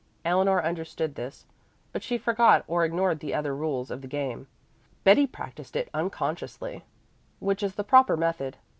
Eleanor understood this, but she forgot or ignored the other rules of the game. Betty practiced it unconsciously, which is the proper method.